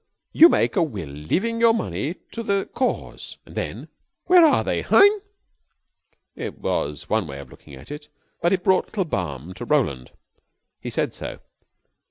You make a will leaving your money to the Cause, and then where are they, hein?" It was one way of looking at it, but it brought little balm to Roland. He said so.